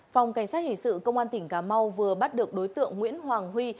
phòng cảnh sát hình sự công an tỉnh cà mau vừa bắt được đối tượng nguyễn hoàng huy